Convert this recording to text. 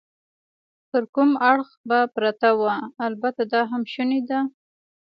پر کوم اړخ به پرته وه؟ البته دا هم شونې وه.